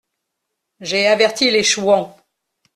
J'ai averti les chouans.